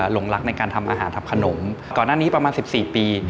หลงรักในการทำอาหารทำขนมก่อนหน้านี้ประมาณ๑๔ปี